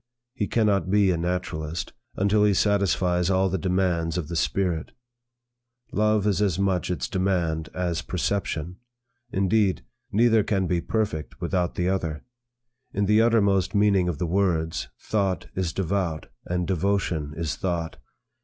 He cannot be a naturalist, until he satisfies all the demands of the spirit. Love is as much its demand, as perception. Indeed, neither can be perfect without the other. In the uttermost meaning of the words, thought is devout, and devotion is thought.